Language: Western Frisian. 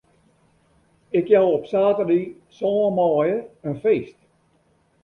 Ik jou op saterdei sân maaie in feest.